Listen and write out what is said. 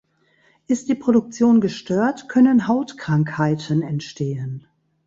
Ist die Produktion gestört, können Hautkrankheiten entstehen.